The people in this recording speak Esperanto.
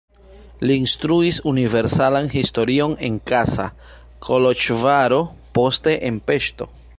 Li instruis universalan historion en Kassa, Koloĵvaro, poste en Peŝto.